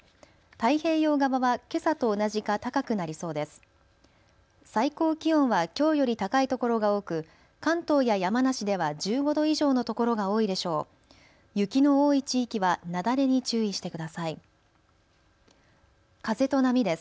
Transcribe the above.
太平洋側はけさと同じか高くなりそうです。